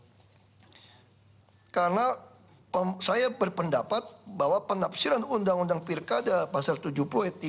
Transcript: dan kemudian saya berpendapat bahwa pengaksiran undang undang pirkada pasal tujuh puluh e tiga